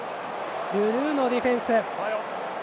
ルルーのディフェンス。